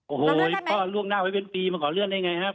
โอ้โหเพราะล่วงหน้าไว้เป็นปีมาขอเลื่อนได้ไงครับ